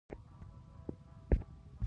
توپکونه او تومانچې یې په میراث پاتې دي.